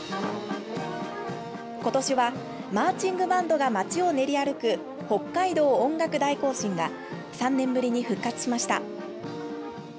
今年は、マーチングバンドが街を練り歩く「北海道音楽大行進」が３年ぶりに復活しました。